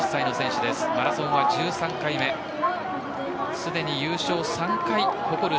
すでに優勝３回を誇る